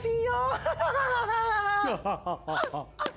ハハハハハ！